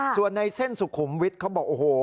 ส่วนในเส้นสุขุมวิทย์เขาบอกโอ้โห